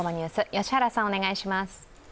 良原さん、お願いします。